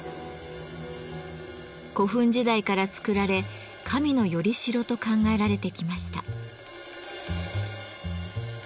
古墳時代から作られ神の「依代」と考えられてきました。